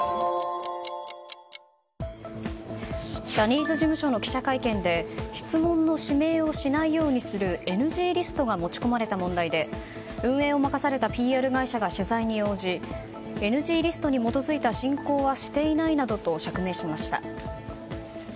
ジャニーズ事務所の記者会見で質問の指名をしないようにするＮＧリストが持ち込まれた問題で運営を任されたＰＲ会社が取材に応じＮＧリストに基づいた進行はしていないなどと釈明しました。